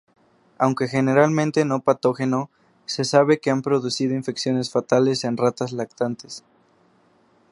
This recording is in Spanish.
Aunque generalmente no patógeno, se sabe que han producido infecciones fatales en ratas lactantes.